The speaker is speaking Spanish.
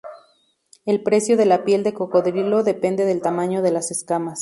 El precio de la piel de cocodrilo depende del tamaño de las escamas.